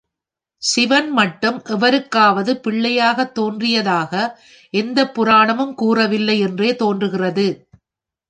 சிவன் மட்டும் எவருக்காவது பிள்ளையாய்த் தோன்றியதாக எந்தப் புராணமும் கூறவில்லை என்றே தோன்றுகிறது.